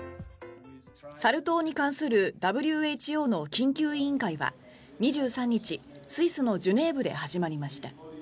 サル痘に関するＷＨＯの緊急委員会は２３日、スイスのジュネーブで始まりました。